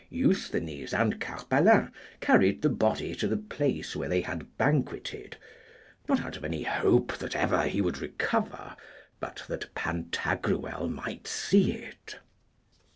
Eusthenes and Carpalin carried the body to the place where they had banqueted, not out of any hope that ever he would recover, but that Pantagruel might see it.